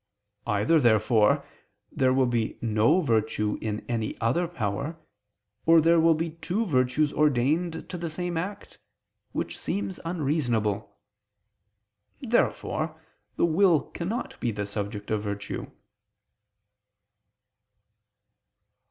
Either, therefore, there will be no virtue in any other power, or there will be two virtues ordained to the same act, which seems unreasonable. Therefore the will cannot be the subject of virtue.